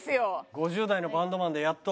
５０代のバンドマンでやっと。